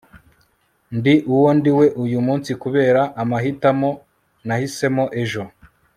ndi uwo ndiwe uyu munsi kubera amahitamo nahisemo ejo